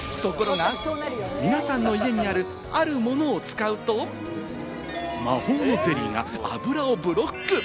ところが皆さんの家にある、あるものを使うと、魔法のゼリーが油をブロック。